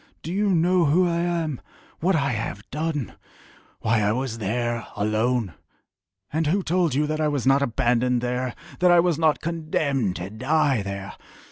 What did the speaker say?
Do you know who I am what I have done why I was there alone? And who told you that I was not abandoned there that I was not condemned to die there?...